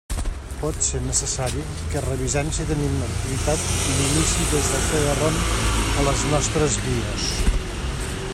Potser necessari que revisem si tenim activat l'inici des de CD-ROM a les nostres BIOS.